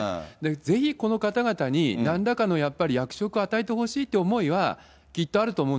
ぜひこの方々になんらかのやっぱり役職を与えてほしいという思いでしょうね。